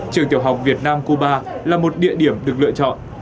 trường tiểu học việt nam cuba là một địa điểm được lựa chọn